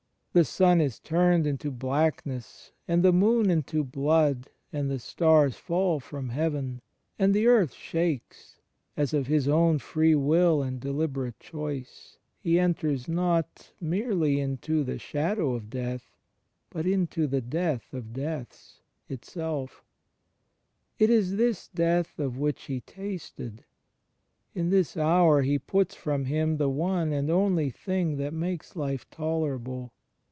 The sun is turned into blackness and the moon into blood and the stars fall from heaven, and the earth shakes, as, of His own free will and deliberate choice. He enters not merely into the shadow of death, but into the *Hcb. xi : 27. •John iv : 32. 134 ^["HE FRIENDSHIP OF CHRIST Death of deaths itself. It is this Death of which He 'Hasted." ... In this hour He puts from Him the one and only thing that makes life tolerable.